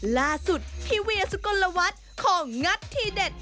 ล่าสุดพี่เวียสุกลวัฒน์ของงัดทีเด็ด